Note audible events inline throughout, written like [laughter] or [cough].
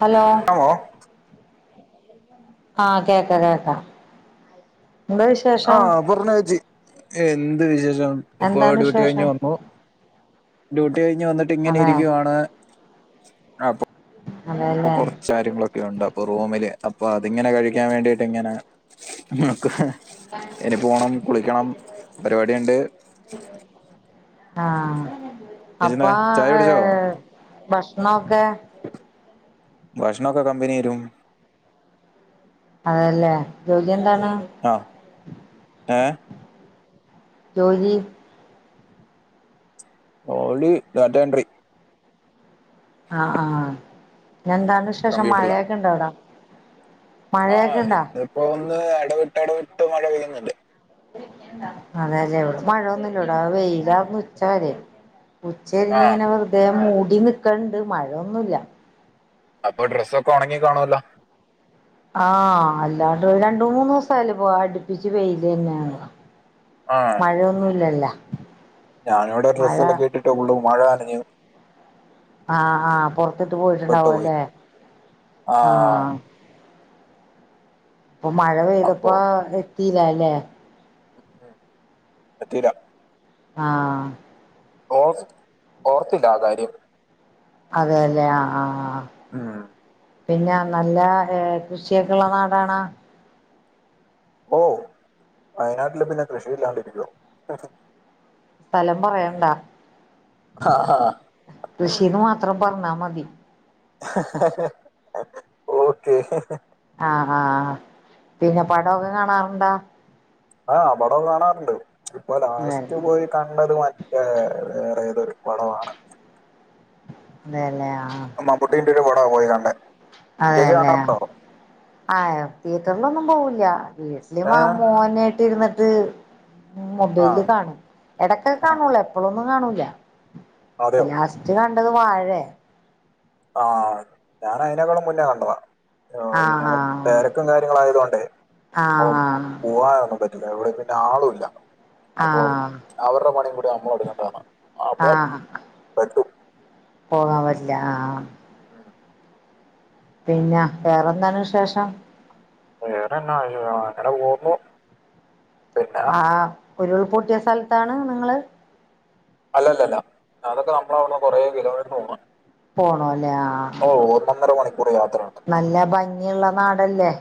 Hello ക്കാമോ ആ കേക്ക കേക്ക ആ പർഞ്ഞോ ഏച്ചി എന്ത് വിശേ ഷം ഇപ്പോ എന്താണ് ഡ്യൂട്ടി കഴിഞ്ഞ് വിശേഷം വന്നു ഡ്യൂ ട്ടി കഴിഞ്ഞ് വന്നിട്ട് ഇങ്ങനെ അതെ ഇരിക്കുവാണ് അപ്പാെ ഇപ്പൊ അതെല്ലേ കൊറച്ചാര്യങ്ങളൊക്കെയുണ്ട് അപ്പൊ റൂമില് അപ്പൊ അതിങ്ങനെ കഴിക്കാൻ വേണ്ടീട്ടിങ്ങനെ നോക്ക്ന്ന് പരിപാടിയുണ്ട് ആ ചേച്ചിന്താ അപ്പാ ചായ ഹ് കുടിച്ചോ ഭക്ഷ്ണൊക്കെ ഭക്ഷ്ണൊക്കെ കമ്പനി തരും അതേയല്ലേ ജോലി എന്താ ആ ഏ ജോലി ജോലി ഡാറ്റാ എൻട്രി ആ ആ ആ പിന്നെന്താണ് വിശേഷം? മഴയൊക്കെ ഇണ്ടോ അവിടെ? ആ മഴയൊക്കെ ഇണ്ടാ ഇന്നിപ്പം ഇന്ന് എടവിട്ട് എടവിട്ട് മഴ പെയ്യുന്നുണ്ട് അതേല്ലേ ഇവിടെ മഴയൊന്നുമില്ല ഇവിടെ വെയിലാരുന്ന് ഉച്ച വരെ. ആഹ് ഉച്ചതിരിഞ്ഞിങ്ങനെ വെറുതെ മൂടി ടി നിക്കൺട് മഴയൊന്നുല്ല. അപ്പൊ ഡ്രസ്സൊക്കെ ഒണങ്ങി കാണുവല്ലോ ആഹ് അല്ലാണ്ട് രണ്ട് മൂന്നു ദിവസായില്ലേപ്പൊ അടുപ്പിച്ച് വെയിലന്നെയാണല്ലോ ആഹ് മഴയൊന്നുല്ലല്ല ഞാനിവിടെ ഡ്രെസ്സലക്കാട്ടിട്ട് ഫുള്ളും മഴ നനഞ്ഞു ആഹ് ആഹ് പൊറത്തിട്ട് പെട്ടുപോയി പോയിട്ടുണ്ടാവുവല്ലേ ആഹ് ഇപ്പം മഴ പെയ്തപ്പോ ത്തീലാല്ലേ പറ്റീല ആ ഓ ഓർത്തില്ല ആ കാര്യം അതേല്ലെ ആ ആ മ് പിന്നെ നല്ല കൃഷിക്കെ ഇള്ള നാടാണോ ഓ വയനാട്ടില് പിന്നെ കൃഷിയില്ലാണ്ടിരിക്കുവോ സ്ഥലം പറയണ്ടാ ആഹ് മാത്രം പറഞ്ഞാ മതി [unintelligible] ഓക്കെ [unintelligible] ആഹ് ആഹ് പിന്നെ പടോക്കെ കാണാറുണ്ടോ ആ പടം കാണാറുണ്ട് ഇപ്പൊ അതെ ലാസ്റ്റ് പോയി കണ്ടത് മറ്റേ വേറെ [unintelligible] ഒരു പടമാണ് അതെ ല്ലേ ആ ട പോയി കണ്ടേ ചേച്ചി അതെയല്ലേ കാണാറുണ്ടോ ആ തിയേറ്ററിലൊന്നും പോവൂ ല്ലാ വീട്ടില് മാ ഏഹ് മോനായിട്ട് ഇരുന്ന് [unintelligible] ഉം ആഹ് മൊബൈലില് കാണും ഇടക്കൊക്കെ ആഹ് കാണുള്ളോ എപ്പോഴും അമ്മ കാണൂലെ അതെയോ ലാസ്റ്റ് ക കണ്ടത് വാഴെ ആഹ ഞാൻ അയിതിനേക്കാളും മുന്നേ കണ്ടതാ ആ പിന്നെ ആഹ് തിരക്കും കാര്യങ്ങള ആയതൊണ്ടേ അ ആഹ് പോവാന ഒന്നും പറ്റില്ല ഇവിടെ പിന്ന ആളും ഇല്ല അപ്പൊ ആഹ് അവരുടെ മണിയും കൂടി നമ്മള എടുങ്ങേണ്ടതന്ന ആഹ് അപ്പൊ ആഹ് പെട്ടു പോകാൻ പറ്റില്ല ആഹ പിന്നെ വേറെന്താണ് വിശേഷം വേറെ എന്നാ ച്ചി അങ്ങനെ പോകുന്നു പിന്നെ ആഹ ഉരുൾ പെട്ടിയ സ്ഥലത്താണ് നിങ്ങള് അല്ലല്ലല്ല അതൊക്കെ നമ്മളവിട്ന്ന് കൊറ കിലോമീറ്റർ പോണം പോണമല്ലേ, ആ.. മണിക്കൂർ യാത്രയുണ്ട് നല്ല ഭംഗിയുള്ള നാടല്ലേ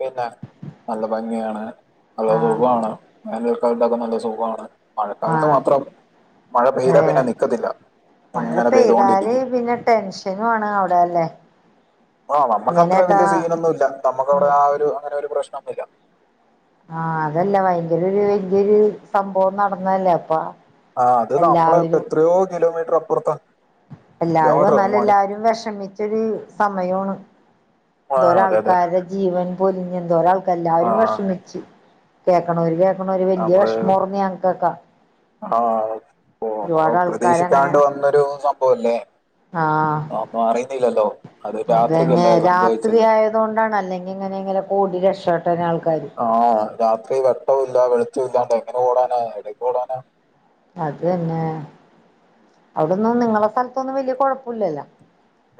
പിന്നെ, നല്ലഭംഗി കാണാന് ഹലോ ആഹ് സുഖമാണോ ഇളനീർകാർക്കൊക്കെ നല്ല സുഖമാണ് മഴക്കാലത്തു ആഹ് മാത്രം. മഴ പെയ്താൽ പിന്നെ ഏഹ് നിൽത്തത്തില്ല. മഴ ഇങ്ങനെ പെയ്താല് പെയ്തോണ്ടിരിക്കും. പിന്നെ ടെൻഷനും ആണ് അവിടെ അല്ലേ അ.. ഇങ്ങനെയൊക്കെ നമ്മക്കത്രവലിയഒരുസീനൊന്നുമില്ല, നമ്മക്കവിടെ ആ ഒരു അങ്ങനെ ഒരു പ്രശ്ന നാമെല്ലാം ആ.. അതല്ലാ, ഭയങ്കരമൊരു വലിയയൊരു സംഭവം നടന്നതല്ലേയപ്പം ആ.. അതുനമ്മളെത്രയോ കിലോമീറ്ററപ്പു- അപ്പുറത്താ എല്ലാവരും കിലോമീറ്റർ മണി വന്നാലുമെല്ലാവരും വിഷമിക്കുമെടീ സമയമാണ് ആ അതെ അതെ എന്തോരാൾക്കാരുടെ ജീവൻ പൊലിഞ്ഞെന്തോരമാണ് ആ എല്ലാവരും വിഷമിച്ചു. കേക്കണവരുകേക്ക് നമ്മളൊരു നമ്മള് വലിയവിഷമമുറങ്ങിയ ആൾക്കാർക്ക, ആഹ് ഇപ്പൊ ഒരു പാട് ആൾക്കാരങ്ങനെയാ.. മ്പവല്ലേ ആ. അത് അതുതന്നെ രാത്രിക്കല്ലേ സംഭവിച്ചത് രാത്രിയായതുകൊണ്ടാണ്, അല്ലെങ്കിൽ എങ്ങനെങ്കിലൊക്കെ ഓടി രക്ഷ ആ രാത്രി വെട്ടവുല്ലാ, വെളിച്ചവുല്ലാതെ എങ്ങനെഓടാനാ, എടെക്കോടാനാ അതന്നെ, അവിടൊന്നും നിങ്ങളെ സ്ഥലത്തൊന്നും വലിയ കുഴപ്പമില്ലല്ലോ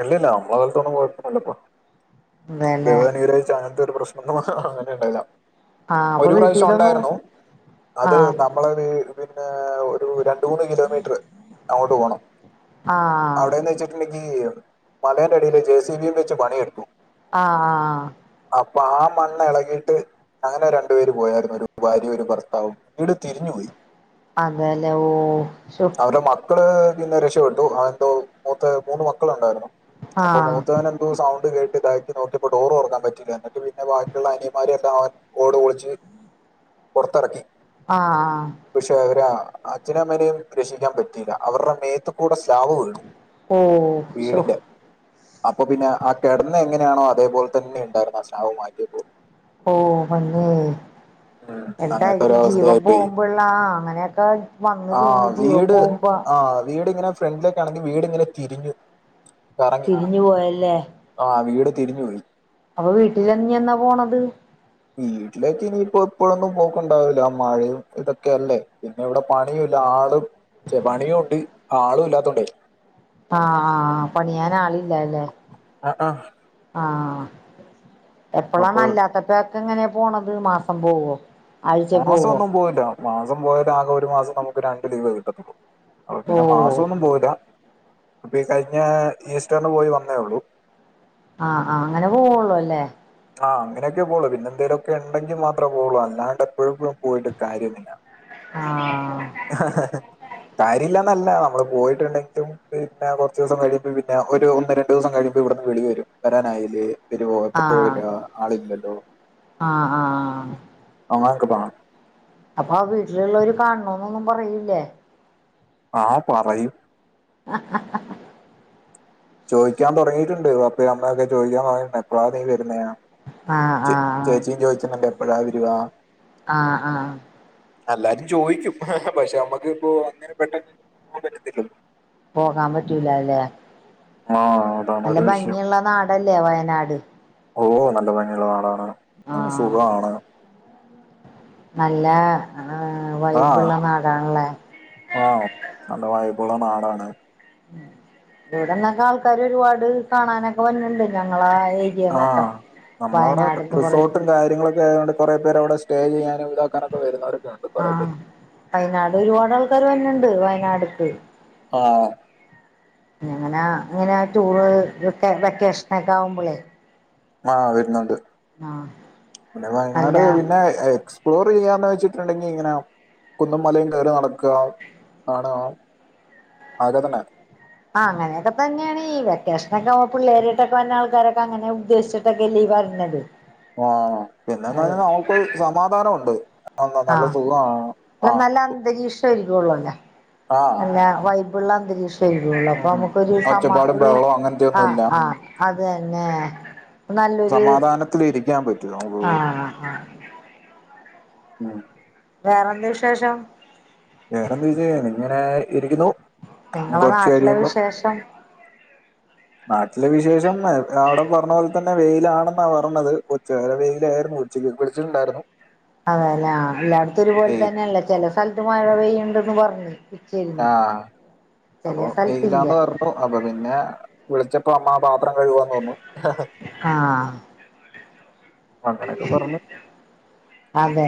ഇല്ലില്ല, നമ്മടെ സ്ഥലത്തൊന്നും കുഴപ്പമില്ലാതെപോന്നു. അതെല്ലേ ദൈവ അനുഗ്രഹിച്ച് [inaudible] ആഹ് അപ്പൊ ഒരു വീട്ടിലൊന്നും പ്രാവശ്യമുണ്ടായിരുന്നു. അത്, ആഹ് നമ്മളത് പിന്നെ ഏ. ഒരു രണ്ടുമൂന്ന് കിലോമീറ്ററ് അങ്ങോട്ടുപോണം ആ നീയോ മലേന്റെഅടില് ജെ. സി. ബി. യുംവച്ച് പണിയെടുക്കും ആ അപ്പആ മണ്ണിളകിയിട്ട്, അങ്ങനെ രണ്ടുപേര് പോയായിരുന്നു ഒരു ഭാര്യയുംഒരുഭർത്താവും വീട് തിരിഞ്ഞുപോയി. അതേല്ലേ, ഓ ശോ അവര്ടെ മ ക്കള് പിന്നെ രക്ഷപെട്ടു ആ എന്തോ മൂത്ത മൂന്ന് മക്കളൊണ്ടാരുന്നു അപ്പം ആഹ് മൂത്തവൻ എന്തോ സൗണ്ട് കേ ഇതാക്കി നോക്കിയപ്പോ ഡോർ തൊറക്കാൻ പറ്റൂല എന്നിട്ട് ബാക്കിഉള്ള അനിയൻമാരെ എല്ലാം ഓട് പൊളിച്ച് പൊറത്തെറക്കി ആ ആ അച്ഛനു അമ്മേനേം രക്ഷിക്കാൻ പറ്റിയില്ല അവര്ടെ മേത്തുക്കൂടെ സ്ലാബ് വീണു ഓ ശോ അപ്പ പിന്നെ ആ കെടന്ന എങ്ങനെ ആണോ അതേപോലെ തന്നെ ണ്ടാരുന്നു ആ സ്ലാബ് മാറ്റിയപ്പോ ഓ മണ്ണ് അങ്ങനത്തെ ഒരു എന്തായിരിക്കും ജിവൻ അവസ്ഥയായി പോയി പോകുമ്പള്ള ആ അങ്ങനെഒക്കെ വന്ന് ആ വീണ് ജീവൻ പോവ്മ്പം ഫ്രണ്ടിലേക്ക് ആണെങ്കി വീട് ഇങ്ങനെ തിരിഞ്ഞു കറങ്ങി തിരിഞ്ഞുപോയല്ലേ ആ വീട് തിരിഞ്ഞു പോയി അപ്പം വീട്ടിൽ ഇഞ്ഞ് എന്നാ പോണത് എപ്പഴൊന്നും പോക്ക് ഒണ്ടാവില്ല മഴേം ഇതൊക്കെ അല്ലേ പിന്നെ ഇവിടെ പണിം ഇല്ല ആളും ഛെ പണിയുംണ്ട് ആളും ഇല്ലാതോണ്ടേ ആ ആ ആ പണിയാൻ ആളില്ലാലെ എ എ ആ എപ്പളാണ് അല്ലാത്തപ്പം എ എങ്ങനെ പോണത് മാസം പോകൊ മാസം ഒന്നും പോകില്ല മാസം പോയ ആകെ ഒരു മാസം നമുക്ക് രണ്ട് ലീവെ കിട്ടത്തൊള്ളൂ അപ്പ ഓ പിന്നെ മാസം ഒന്നും പോവില്ല ഇപ്പ കഴിഞ്ഞ ഈസ്റ്ററിന് പോയി വന്നേ ഒള്ളൂ ആ ആ അങ്ങനെ പോവുള്ളുലെ ആ അങ്ങനോക്കെ പോകുവൊള്ളൂ പിന്നെ എന്തേലും ഒക്കെ ഉണ്ടങ്കി മാത്രമേ പോവൊള്ളൂ അല്ലാണ്ട് എപ്പളും എപ്പളും പോയിട്ട് കാര്യമില്ല ആ കാര്യല്ലാനല്ല നമ്മള് പോയിട്ടുണ്ടെങ്കിലും പിന്നെ കൊറച്ച് ദിവസം കഴിയുമ്പം പിന്നെ ഒര് ഒന്ന് രണ്ട് ദിവസം കഴിയുമ്പം ഇവ്ട്ന്ന് വിളിവരും വരാനായില്ലേ വരുവോ എപ്പഴാവരുവാ ആളില്ലല്ലോ ആ ആ [unintelligible] അപ്പ ആ വീട്ടില് ള്ളര് കാണണം ഒന്നും പറയില്ലേ ആ പറയും ചോയിക്കാൻ തൊടങ്ങിട്ടോണ്ട് പാപ്പേം അമ്മേം ഒക്കെ ചോയിക്കാൻ തൊടങ്ങിട്ടോണ്ട് എപ്പളാ നീ വരുന്നെന്ന് ആഹ് ച്ച് ആഹ് ചേച്ചിം ചോയിച്ച മറ്റേ എപ്പഴാ വരുവാ ആ ആ എല്ലാരും ചോയ്ക്കും പക്ഷെ നമ്മക്കിപ്പോ അങ്ങനെ പെട്ടന്ന് നടക്കത്തില്ലല്ലോ പോകാം പറ്റൂല ലേ ആ നല്ല ഭംഗിയുള്ള നാടല്ലേ ല്ലേ വയനാട് ഓഹോ നല്ല ഭംഗിയുള്ള നാടാണ് ആഹ് സുഖാണ് എല്ലാ ആ ആ നല്ല വൈബ് ബുള്ള നാടാണ് ഇവടന്നൊക്കെ ആൾക്കാരോരുപാട് കാണാനൊക്കെ വരുന്നുണ്ട് ഞങ്ങളെ ആ നമ്മളാവടെ പറയും റിസോർട്ടും കാര്യങ്ങളൊക്കെ ആയോണ്ട് കുറെ പേരവിടെ സ് സ്റ്റേ ചെയ്യാനും ഇതാക്കാനൊക്കെ വരുന്നോര് ആ വായനടൊരുപാടാൾ ക്കാര് വര്ന്ണ്ട് വയനാട്ക്ക് ആ ആ ങ്ങനെ അങ്ങനെ ആ ടൂർ വെക്കേ വെക്കാഷനൊക്കെ ആവുമ്പളെ ആ വരുന്നൊണ്ട് ഇവടെ അല്ല വയനാട് പിന്നെ എക്സ് ടൂറ് ചെയ്യാന്ന് വെച്ചിട്ടുണ്ടെങ്കി ഇങ്ങനെ കുന്നും മലയും കേറി നടക്കാ കാണാ അതക്കത്തന്നെ അങ്ങനെയൊക്കെ തന്നെയാണേയ് വെക്കാഷനൊക്കെ ആവുമ്പോ പിള്ളേരൊക്കെ ആയിട്ട് വന്ന ആൾക്കാരൊക്കെ അങ്ങനൊക്കെ ഉദ്ദേശിച്ചിട്ടല്ലേ ഈ വരണത് ആ പിന്നെന്ന് പറഞ്ഞ നമ്മക്ക് സമാധാനൊണ്ട് ആ അല്ല നല്ല അന്തരീക്ഷ ഇ ഒള്ളൂല്ലേ ആഹ് അല്ലാ വൈ ഉള്ള അന്തരീക്ഷം [unintelligible] ഉള്ളപ്പോ ഉം നമ്മക്കൊരു സമാ ഒച്ചപ്പാടും ഒര് ബഹളവും ആ അങ്ങനത്തെയൊന്നുമില്ല ആ അതന്നെ സമാധാത്തിലിരിക്കാൻ പറ്റൂല നമുക്ക് ആഹ് ആഹ് ഉം വേറെന്താ വിശേഷം വേറെന്തു ചെയ്യാൻ ഇങ്ങനെ ഇരിക്കുന്നു ഞ്ഞ് നിങ്ങളെ കൊറച്ച് നാട്ടിലെ കഴിയുബം വിശേഷം നാട്ടിലെ വിശേഷം അടെ പറഞ്ഞ പോലെ തന്നെ വെയിലാണെന്ന പറഞ്ഞത്, ഉച്ച വരെ വെയിലായിരുന്നു ഉച്ചക്ക് വിളിച്ചിട്ടുണ്ടായിര്ന്നു അതെല്ലേ ആ എല്ലാട്ത്തും ഒരുപോലെ വെയിൽ തന്നേള്ളത് ചെ സ്ഥലത്ത് മഴ പെയ്യ്ണ്ട് ന്ന് പറഞ്ഞ് ആ ഉച്ചരിഞ്ഞ് അപ്പൊ ചില സ്ഥലത്തില്ല വെയിലാന്ന് പർഞ്ഞു അപ്പൊ പിന്നെ വിളിച്ചപ് പ്പൊ അമ്മ പാത്രം കഴുകുവാന്ന് പറഞ്ഞു ആഹ് അങ്ങനൊക്കെ പറ്ഞ്ഞ് അതെ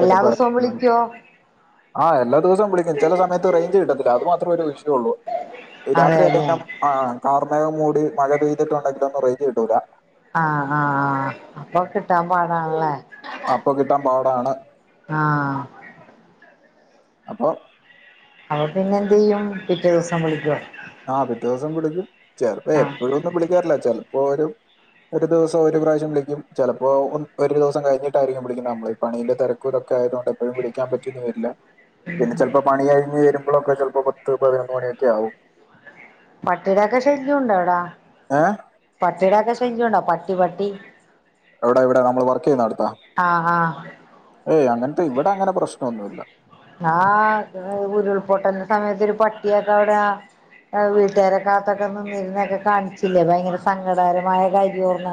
എല്ലാ ദിവസോം ആയിരുന്നു. വിളിക്കോ ആ എല്ലാ ദിവസോം വിളിക്കും ചെല സമയത്ത് റേഞ്ച് കിട്ടത്തില്ല അത് മാത്രേ ഒരു ഇഷ്യു ഒള്ളു ഇ രാത്രി ആയി അതെല്ലേ കഴിഞ്ഞ ആ കാർമേഖം മൂ ടി മഴ പെയ്തിട്ടുണ്ടെങ്കിലൊന്നും റേഞ്ച് കിട്ടൂല ആ ആ അപ്പോ കിട്ടാൻ പാട് ആണ് ലെ ആപ്പോ കിട്ടാൻ പാട് ആണ് ആഹ് അപ്പൊ അപ്പൊ പിന്നെന്തെയ്യും പിറ്റേ ദിവസം വിളിക്കോ ആ പിറ്റേ ദിവസം വിളിക്കും ചെലപ്പോ ആഹ് എപ്പഴൊന്നും വിളിക്കാറില്ല ചെൽ പ്പോ ഒരു ഒരു ദിവസം ഒരു പ്രാവശ്യം വിളിക്കും ചെലപ്പോ ഒ ഒരു ദിവസം കഴിഞ്ഞിട്ടായിരിക്കും വിളിക്കുന്നെ നമ്മള് ഈ പണീന്റെ തിരക് ക്കായതോണ്ട് എപ്പഴും വിളിക്കാൻ പറ്റിന്ന് വരില്ല പിന്നെ ചെൽപ്പോ പണി കഴിഞ്ഞ് വരു ഇപ്പളൊക്കെ ചെൽപ്പോ പത്ത് പതിനൊന്ന് മണിയൊക്കെ ആകും പട്ടിടൊക്കെ ശല്യം ഒണ്ടോ അവടെ ഏഹ് പട്ടിടൊക്കെ [unintelligible] പട്ടി പട്ടി എവിടെ ഇവിടെ നമ്മള് വർക്കെ യ്നോട്ത്തോ ആഹ് ആഹ് ഏയ് അങ്ങനത്തെ ഇവിടെ അങ്ങനെ പ്രശ്നൊന്നുല്ല. ആഅ ഉരുൾപൊട്ടല് സമയത്ത് ഒരു പട്ടിയൊക്കെ അവിടെ ആ അ വീട്ടാരെ കാത്തൊക്കെ നിന്നിരുന്ന കാണിച്ചില്ലേ ഭയങ്കര സങ്കടകരമായ കാര്യോർന്ന്.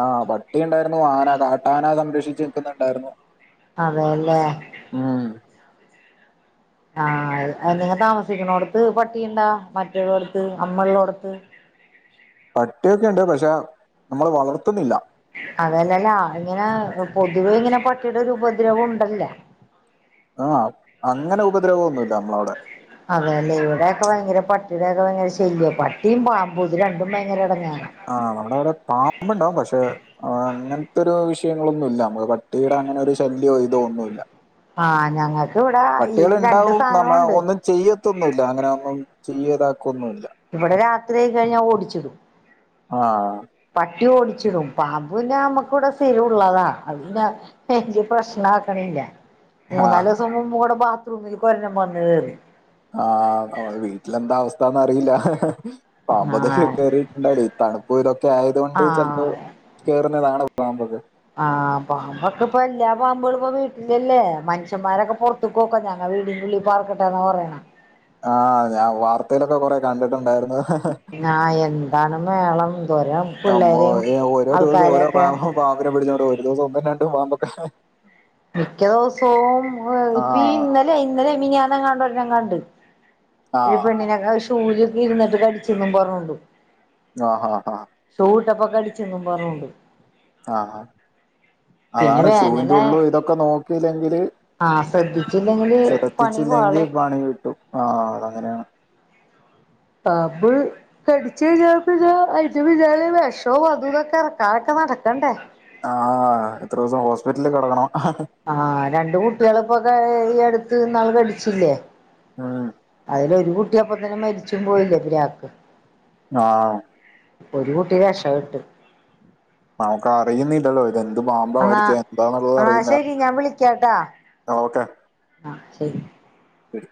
ആ പട്ടിയുണ്ടായിരുന്നു ആന കാട്ടാന സംരക്ഷ് [unintelligible] ണ്ടായിരുന്നു അതെല്ലേ? ആ ആ നി താമസിക്കുന്നോടത്ത് പട്ടിയുണ്ടാ മറ്റോട്ത്ത് അമ്മളോട്ത്ത് പട്ടിയൊക്കെണ്ട് പക്ഷെ നമ്മള് വളർത്തുന്നില്ല. അതല്ലല്ലാ ഇങ്ങനെ പൊതുവെ ഇങ്ങനെ പട്ടിടെരു ഉപദ്രവം ഉണ്ടല്ല ആ അങ്ങനെ ഉപദ്രവം ഒന്നുൽ നമ്മളവ്ടെ അതെല്ലേ ഇവിടെക്കെ ഭയങ്കര പട്ടിടൊക്കെ ഭയങ്കര ശല്യ പട്ടിം പാമ്പും ഇത് രണ്ടും ഭയങ്കര ഇടങ്ങ ആ നമ്മടവിടെ പാമ്പ്ണ്ടാവും പക്ഷെ ആ അങ്ങൻത്തൊരു വിഷയങ്ങളൊന്നുല്ല നമ്മ പട്ടിയുടെ അങ്ങനെ ഒരു ശല്യോ ഇതോ ഒന്നുല്ല. ആ ഞങ്ങക് പട്ടികള് ഇണ്ടാവും നമ്മേ ഒന്നു ചെയ്യത്തൊന്നുല്ല അങ്ങനെ ഒന്നും ചെയ്യു [unintelligible] കൊന്നുല്ല ത്രി കുറെ കഴിഞ്ഞ് ഓടിച്ചു ആ ഓടിച്ചു വിടും പാമ്പു പിന്നെ നമുക്ക് ഇവിടെ സ്ഥിരം ഉള്ളതാണ് അത് വലിയ പ്രശ്നാക്കണില്ല. ആ മൂന്നാല് ദിവസം കൂടി മുമ്പ് പാമ്പ് റൂമിലേക്ക് ഒരെണ്ണം വന്നു കയറി ആ വീട്ടിൽ എന്താണ് അവസ്ഥ എന്ന് അറിയില്ല. പാമ്പ് കേറിയ ആഹ് കേറീട്ട് ഉണ്ടായിരുന്നു തണുപ്പ് ചെലപ്പോ ആയതുകൊണ്ട് ആഹ് അതാണ് പാമ്പൊക്കെ വീട്ടിൽ അല്ലേ മനുഷ്യന്മാരൊക്കെ പുറത്തേക്കു ഞങ്ങടെ വീട്ടിനുള്ളിൽ പാർക്കട്ടെ എന്ന് പറയണെ. ആ വാർത്തയിൽ ഒക്കെ കുറെ കണ്ടിട്ടുണ്ടായിരുന്നു. എന്താണ് മേളം എന്തോരം അമ്മോ പിള്ളേരെ ഒക്കെ ഏ ഓരോ ദിവസം ഓരോ ആൾക്കാരൊക്കെ പാമ്പും പാമ്പിനെ പിടിച്ചോണ്ട് ഒരു [unintelligible] മിക്ക ദിവസോം ആ ഇന്നലെ മിനിഞ്ഞാന്ന് എങ്ങാണ്ടും [unintelligible] ആ [unintelligible] [unintelligible] അതുകൊണ്ട് കടിച്ചെന്നും പറഞ്ഞിട്ട് ആ ആ അടിച്ചു കൊണ്ട് ഒന്നും പറഞ്ഞുകൊണ്ട്. ആ അതാണ് ഷൂളിന്റെ വേനലായ ഉള്ളും ഇതൊക്കെ നോക്കിയില്ലെങ്കില് ആഹ് ശ്രദ്ധിച്ചില്ലെങ്കില് പണി ശദച്ചിച്ചില്ലെങ്കിൽ പാളും പണികിട്ടും ആ അത് അങ്ങനെയാണ് പാമ്പ് കടിച്ചു കഴിഞ്ഞാൽ പിന്നെ അതിന്റെ പിന്നാലെ വിഷോം അതു ഇതും ഒക്കെ ഇറക്കാനൊക്കെ നടക്കണ്ടേ ആ എത്ര ദിവസം ഹോസ്പിറ്റലിൽ കിടക്കണം ആ രണ്ടു കുട്ടികളിപ്പോ ഇവിടുത്തെ ഈ അടുത്ത് ഇന്നാള് മരിച്ചില്ലേ ഉം അതിൽ ഒരു കു ട്ടി അപ്പൊത്തന്നെ മരിച്ചു പോയില്ലേ പിരാക്ക് ആ ഒരു കുട്ടി രക്ഷപെട്ട് നമുക്ക് അറിയുന്നില്ലല്ലോ ഇ ത് എന്ത് പാമ്പാ എന്നാ കടിച്ചേ എന്താന്നുള്ളത് എന്നാ അറിയില്ല ശരി ഞാൻ എന്നാ ഓക്കേ ആ ശരി ശെരി